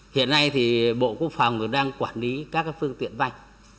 hiện nay thì bộ quốc phòng đang quản lý các phương tiện vành